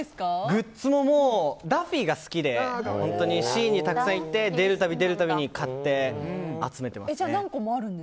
グッズもダッフィーが好きでシーにたくさん行って出るたびに買って、集めてます。